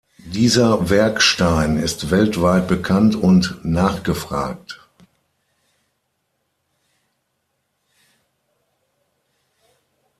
Dieser Werkstein ist weltweit bekannt und nachgefragt.